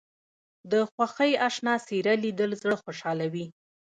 د خوښۍ اشنا څېره لیدل زړه خوشحالوي